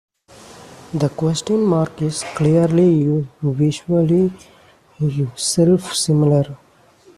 The question mark is clearly visually self-similar.